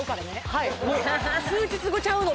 はい「数日後ちゃうの？